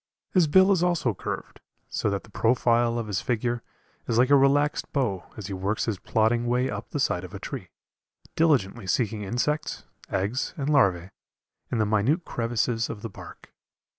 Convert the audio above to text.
His bill is also curved, so that the profile of his figure is like a relaxed bow as he works his plodding way up the side of the tree, diligently seeking insects, eggs, and larvæ, in the minute crevices of the bark.